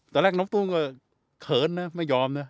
ตอนแรกน้องฟุ้งก็เขินนะไม่ยอมนะ